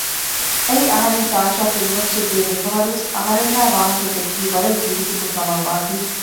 އެއީ އަހަރެން ތާޝާ ކުރިމައްޗައް ދިޔަ ދެފަހަރުވެސް އަހަރެންނާއި ވާހަކަ ދެއްކީ ވަރަށް ރީތިކޮށް ކަމައްވާތީ